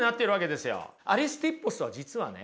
アリスティッポスは実はね